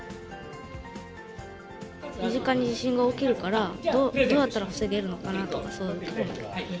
身近に地震が起きるから、どうやったら防げるのかなとか、そういうのを考えた。